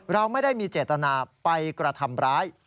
เราไม่ได้มีเจตนาไปกระทำร้าย